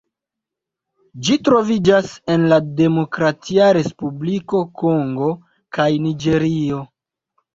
Ĝi troviĝas en la Demokratia Respubliko Kongo kaj Niĝerio.